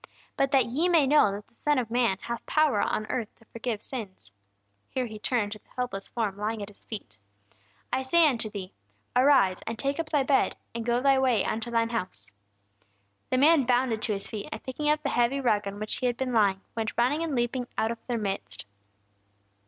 But that ye may know that the Son of man hath power on earth to forgive sins," here He turned to the helpless form lying at His feet, "I say unto thee, Arise, and take up thy bed, and go thy way unto thine house." The man bounded to his feet, and picking up the heavy rug on which he had been lying, went running and leaping out of their midst.